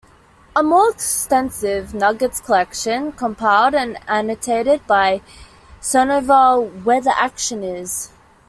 A more extensive Nuggets collection compiled and annotated by Sandoval, Where the Action Is!